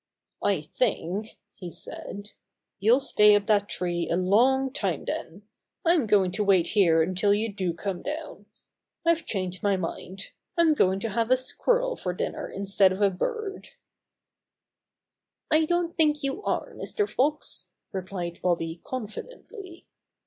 "I think," he said, "you'll stay up that tree a long time then. I'm going to wait here until you do come down. I've changed my mind. I'm going to have a squirrel for dinner instead of a bird." 108 Bobby Gray Squirrel's Adventures I don't think you are, Mr. Fox/* replied Bobby confidently.